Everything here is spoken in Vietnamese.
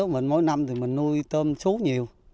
mỗi năm mình nuôi tôm xú nhiều